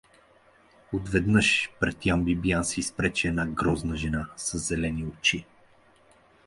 Отведнъж пред Ян Бибиян се изпречи едра и грозна жена със зелени очи.